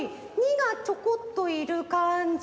②がちょこっといるかんじ。